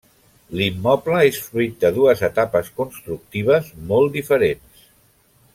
L'immoble és fruit de dues etapes constructives molt diferents.